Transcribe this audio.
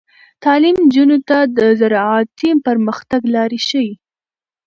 تعلیم نجونو ته د زراعتي پرمختګ لارې ښيي.